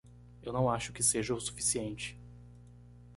Eu não acho que seja o suficiente